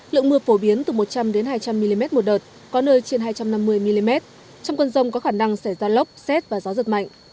lượng mưa phổ biến từ một trăm linh hai trăm linh mm một đợt có nơi trên hai trăm năm mươi mm trong cơn rông có khả năng xảy ra lốc xét và gió giật mạnh